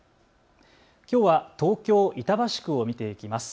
きょうは東京板橋区を見ていきます。